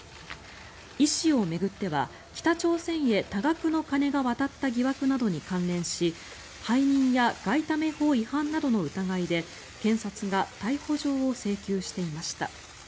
イ氏を巡っては北朝鮮へ多額の金が渡った疑惑などに関連し背任や外為法違反などの疑いで検察が逮捕状を請求していました。